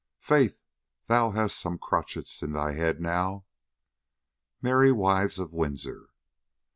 Faith, thou hast some crotchets in thy head now. MERRY WIVES OF WINDSOR.